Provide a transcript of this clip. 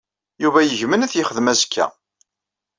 Yuba yegmen ad t-yexdem azekka.